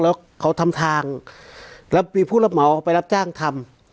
แล้วเขาทำทางแล้วมีผู้รับเหมาไปรับจ้างทำ